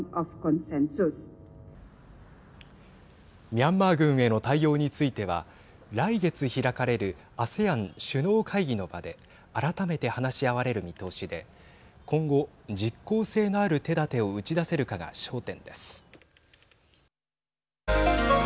ミャンマー軍への対応については来月開かれるＡＳＥＡＮ首脳会議の場で改めて話し合われる見通しで今後、実効性のある手だてを打ち出せるかが焦点です。